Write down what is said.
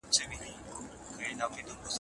کارول شوي برسونه د اصلي اوسیدونکو نه دي.